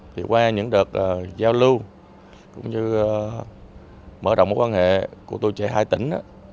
thì qua những đợt giao lưu cũng như mở rộng mối quan hệ của tuổi trẻ hai tỉnh